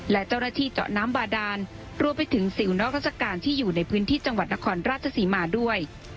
และเจ้าหน้าที่เจาะน้ำบาดานรวมไปถึงสิวนอกราชการที่อยู่ในพื้นที่จังหวัดนครราชศรีมาด้วย